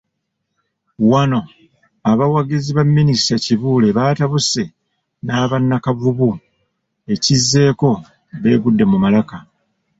Wano abawagizi ba Minisita Kibuule batabuse n'aba Nakavubu ekizzeeko beegudde mu malaka.